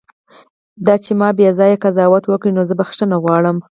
دا چې ما بیځایه قضاوت وکړ، نو زه بښنه غواړم.